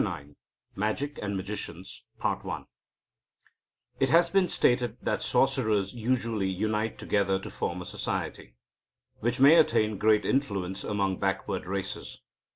IX MAGIC AND MAGICIANS It has been stated that sorcerers usually unite together to form a society, which may attain great influence among backward races.